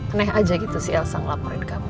aneh aja gitu sih elsa ngelaporin kamu